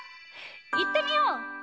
いってみよう！